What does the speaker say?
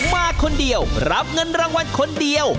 มาคนเดียวรับเงินรางวัลคนเดียว